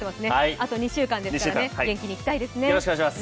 あと２週間ですからね、元気にいきたいですね。